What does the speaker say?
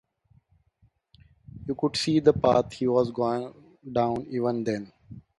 You could see the path he was going down even then.